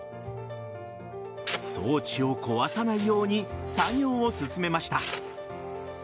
装置を壊さないように作業を進めました。